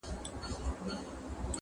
ټول مېږي وه خو هر ګوره سره بېل وه-